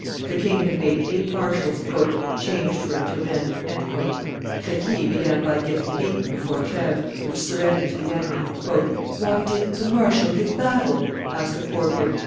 The king had made eight marshals, "change for a Turenne." Crequi began by getting beaten before Treves, which surrendered to the enemy. "Why did the marshal give battle?" asked a courtier.